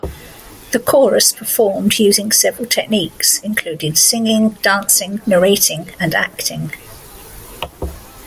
The chorus performed using several techniques, including singing, dancing, narrating, and acting.